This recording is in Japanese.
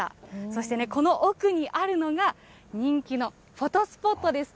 そしてね、この奥にあるのが、人気のフォトスポットです。